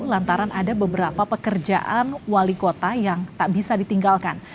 lantaran ada beberapa pekerjaan wali kota yang tak bisa ditinggalkan